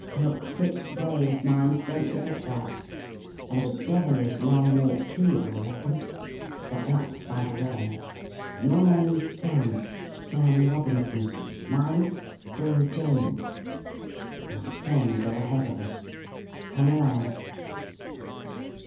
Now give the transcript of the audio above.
Took six days, mind; don't forget that. And a devilish long walk, too, I reckon! But that's by the way. Your name's Sam Sam Robinson. Mine Bill Jones.... Our friends are ahead of us. Come along."